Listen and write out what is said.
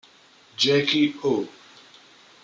Jackie O